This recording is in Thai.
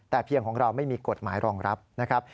แต่เพียงของเราไม่มีกฎหมายรองรับนะครับ